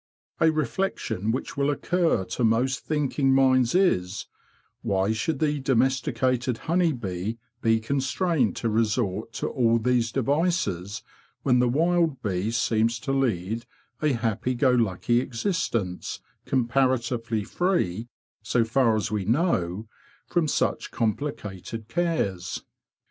A reflection which will occur to most thinking minds is, why should the domesticated honey bee be constrained to resort to all these devices, when the wild bee seems to lead a happy go lucky existence, comparatively free, so far as we know, from such complicated cares?